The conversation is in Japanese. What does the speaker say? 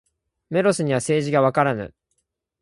メロスには政治がわからぬ。